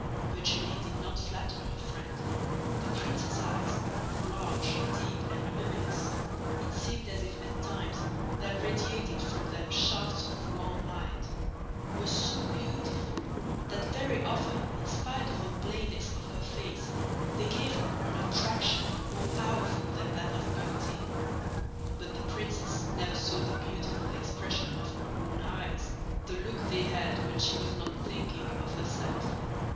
But Julie did not flatter her friend, the princess' eyes—large, deep and luminous (it seemed as if at times there radiated from them shafts of warm light)—were so beautiful that very often in spite of the plainness of her face they gave her an attraction more powerful than that of beauty. But the princess never saw the beautiful expression of her own eyes—the look they had when she was not thinking of herself.